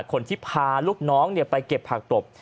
คนที่พาลูกน้องไปเก็บผักตบ